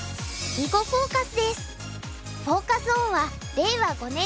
「囲碁フォーカス」です。